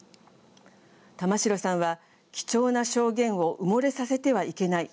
玉城さんは「貴重な証言を埋もれさせてはいけない。